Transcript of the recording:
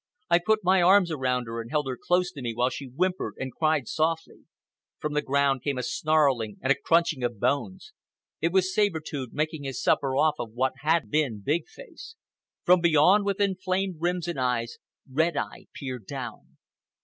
I put my arms around her and held her close to me while she whimpered and cried softly. From the ground came a snarling, and crunching of bones. It was Saber Tooth making his supper off of what had been Big Face. From beyond, with inflamed rims and eyes, Red Eye peered down.